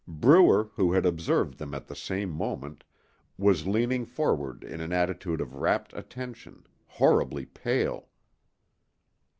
Brewer, who had observed them at the same moment, was leaning forward in an attitude of rapt attention, horribly pale.